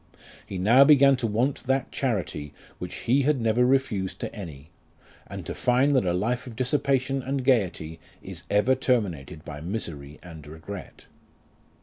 He now began to want that charity which he had never refused to any ; and to find that a life of dissipation and gaiety is ever terminated by misery and regret.